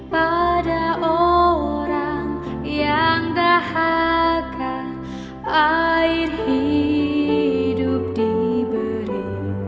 pada orang yang dah agak air hidup diberi